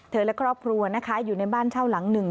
และครอบครัวนะคะอยู่ในบ้านเช่าหลังหนึ่ง